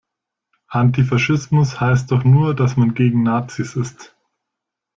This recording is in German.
Antifaschismus heißt doch nur, dass man gegen Nazis ist.